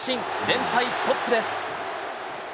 連敗ストップです。